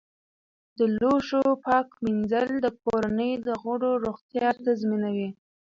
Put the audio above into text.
د لوښو پاک مینځل د کورنۍ د غړو روغتیا تضمینوي.